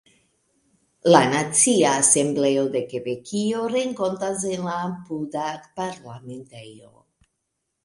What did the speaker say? La Nacia Asembleo de Kebekio renkontas en la apuda Parlamentejo.